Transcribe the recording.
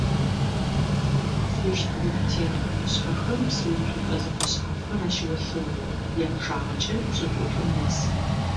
Фыщт-Ошъутен къушъхьэхэм псыуцупӏэ зэфэшъхьафхэр ащыолъэгъу, япчъагъэкӏэ пшӏыкӏутӏум нэс.